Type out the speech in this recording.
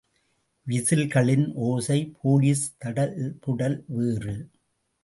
விசில்களின் ஓசை போலிஸ் தடல்புடல் வேறு.